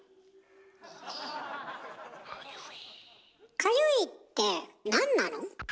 かゆいってなんなの？